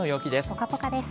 ぽかぽかです。